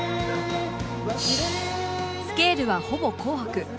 スケールはほぼ『紅白』